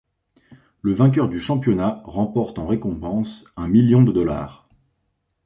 Le vainqueur du championnat remporte en récompense un million de dollars.